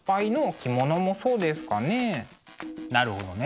なるほどね。